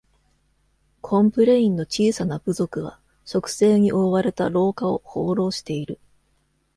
コンプレインの小さな部族は、植生に覆われた廊下を放浪している。